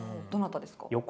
どなたですか？